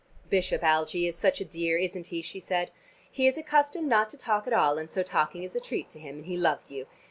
"Bishop Algie is such a dear, isn't he?" she said. "He is accustomed not to talk at all, and so talking is a treat to him, and he loved you.